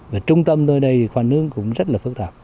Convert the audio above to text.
và trung tâm tôi đây thì khoan nước cũng rất là phức tạp